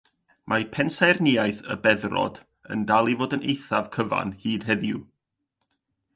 Mae pensaernïaeth y beddrod yn dal i fod yn eithaf cyfan hyd heddiw.